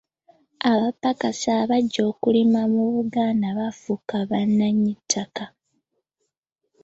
Abapakasi abajja okulima mu Buganda baafuuka bannannyi ttaka.